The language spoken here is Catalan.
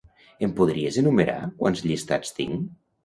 Em podries enumerar quants llistats tinc?